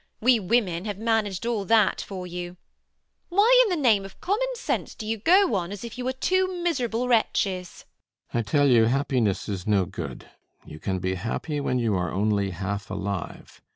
We women have managed all that for you. Why in the name of common sense do you go on as if you were two miserable wretches? CAPTAIN SHOTOVER. I tell you happiness is no good. You can be happy when you are only half alive.